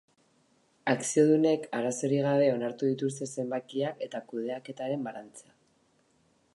Akziodunek arazorik gabe onartu dituzte zenbakiak eta kudeaketaren balantzea.